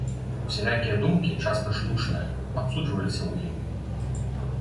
Усялякія думкі, часта штучныя, абуджваліся ў ім.